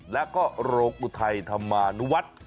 แล้วก็โรคอุทัยธมาณวัด